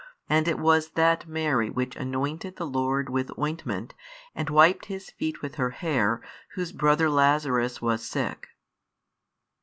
And it was that Mary which anointed the Lord with ointment, and wiped His feet with her hair, whose brother Lazarus was sick.